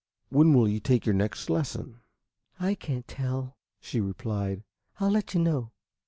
"When will you take your next lesson?" "I can't tell," she replied. "I'll let you know.